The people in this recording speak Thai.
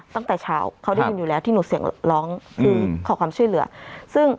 ตั้งแต่เช้าเขาได้ยินอยู่แล้วที่หนูเสียงร้องคือขอความช่วยเหลือซึ่ง